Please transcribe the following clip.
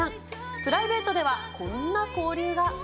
プライベートではこんな交流が。